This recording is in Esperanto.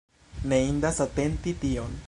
Ne indas atenti tion.